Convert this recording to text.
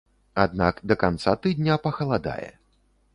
Аднак да канца тыдня пахаладае.